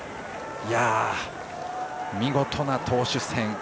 見事な投手戦。